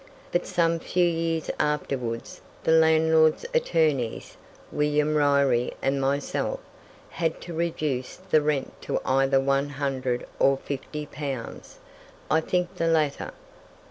But some few years afterwards the landlord's attorneys, William Ryrie and myself, had to reduce the rent to either 100 or 50 pounds I think the latter.